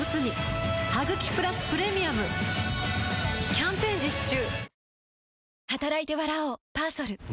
キャンペーン実施中